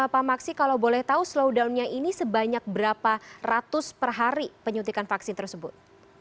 pak maksi kalau boleh tahu slow downnya ini sebanyak berapa ratus per hari penyuntikan vaksin tersebut